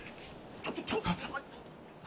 ちょっとちょっと。